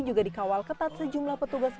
juga dikawal ketat sejumlah petugas